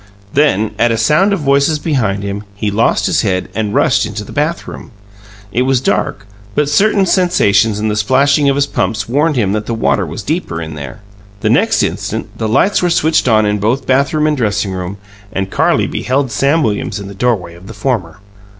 Then, at a sound of voices behind him, he lost his head and rushed into the bathroom. It was dark, but certain sensations and the splashing of his pumps warned him that the water was deeper in there. The next instant the lights were switched on in both bathroom and dressing room, and Carlie beheld Sam Williams in the doorway of the former.